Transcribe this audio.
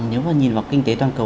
nếu nhìn vào kinh tế toàn cầu